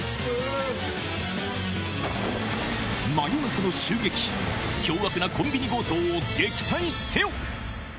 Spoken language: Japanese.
真夜中の襲撃、凶悪なコンビニ強盗を撃退せよ！